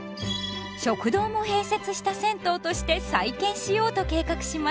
食堂も併設した銭湯として再建しようと計画します。